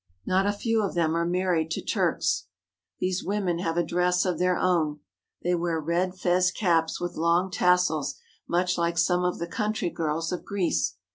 Not a few of them are married to Turks. These women have a dress of their own. They wear red fez caps with long tassels much like some of the country girls of Greece.